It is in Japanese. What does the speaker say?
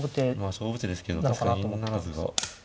勝負手ですけど確かに銀不成は。